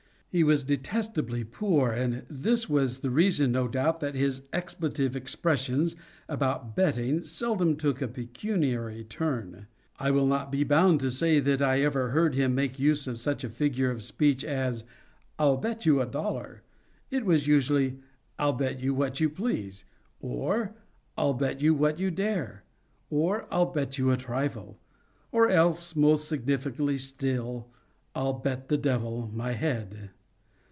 He was detestably poor, and this was the reason, no doubt, that his expletive expressions about betting, seldom took a pecuniary turn. I will not be bound to say that I ever heard him make use of such a figure of speech as "I'll bet you a dollar." It was usually "I'll bet you what you please," or "I'll bet you what you dare," or "I'll bet you a trifle," or else, more significantly still, "I'll bet the Devil my head."